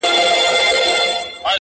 د هر وګړي سیوری نه وهي په توره ظالم!.